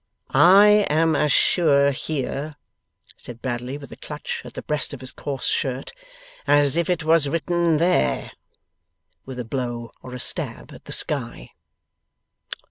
'I am as sure here,' said Bradley, with a clutch at the breast of his coarse shirt, 'as if it was written there;' with a blow or a stab at the sky.